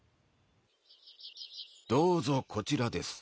どうぞこちらです。